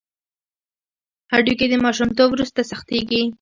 هډوکي د ماشومتوب وروسته سختېږي.